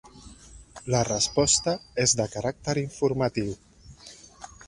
La resposta és de caràcter informatiu.